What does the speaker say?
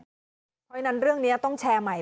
เพราะฉะนั้นเรื่องนี้ต้องแชร์ใหม่